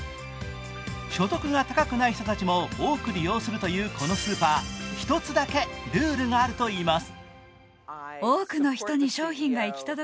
所得が高くない人たちも多く利用するというこのスーパー、一つだけルールがあるといいます。